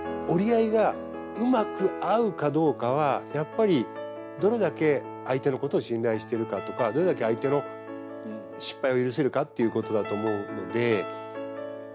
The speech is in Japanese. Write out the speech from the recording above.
折り合いがうまく合うかどうかはやっぱりどれだけ相手のことを信頼してるかとかどれだけ相手の失敗を許せるかっていうことだと思うので。